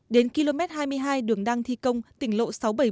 đến km hai mươi hai đường đăng thi công tỉnh lộ sáu trăm bảy mươi bốn